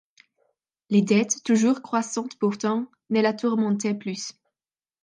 Les dettes, toujours croissantes pourtant, ne la tourmentaient plus.